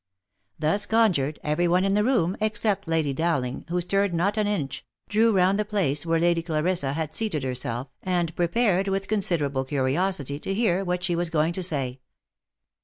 Thus conjured, every one in the room, except Lady Dowling, who stirred not an inch, drew round the place where Lady Clarissa had seated herself, and prepared with considerable curiosity to hear what she was going to say.